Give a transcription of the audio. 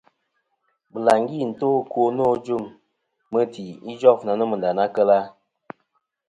Bɨlàŋgi nto ɨkwo nô ajuŋ mɨti ijof na nomɨ nda na kel a.